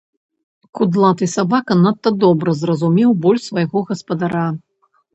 Кудлаты сабака надта добра зразумеў боль свайго гаспадара.